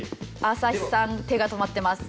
朝日さん手が止まってます。